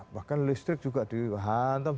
bahkan listrik juga dihantam